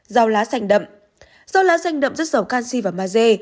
rau lá xanh đậm rau lá xanh đậm rất sầu canxi và maze